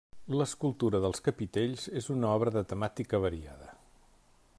L'escultura dels capitells és una obra de temàtica variada.